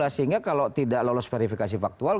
sehingga kalau tidak lolos verifikasi faktual